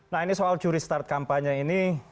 nah ini soal curi start kampanye ini